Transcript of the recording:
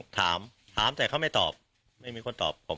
ถามถามแต่เขาไม่ตอบไม่มีคนตอบผม